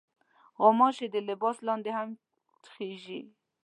غوماشې د لباس لاندې هم خېژي.